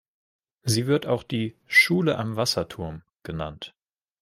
Sie wird auch die "Schule am Wasserturm" genannt.